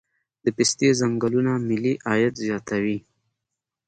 د پستې ځنګلونه ملي عاید زیاتوي